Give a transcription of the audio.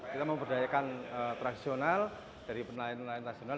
kita memberdayakan tradisional dari nelayan nelayan tradisional